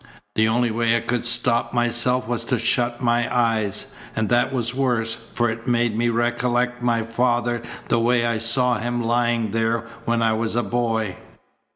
The only way I could stop myself was to shut my eyes, and that was worse, for it made me recollect my father the way I saw him lying there when I was a boy.